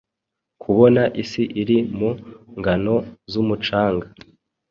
Kubona isi iri mu ngano z'umucanga,